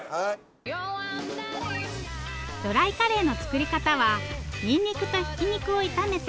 ドライカレーの作り方はにんにくとひき肉を炒めて。